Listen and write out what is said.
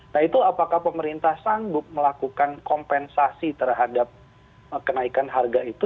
nah itu apakah pemerintah sanggup melakukan kompensasi terhadap kenaikan harga itu